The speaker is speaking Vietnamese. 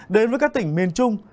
đến với các tỉnh miền trung